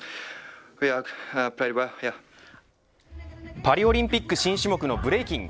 パリオリンピック新種目のブレイキン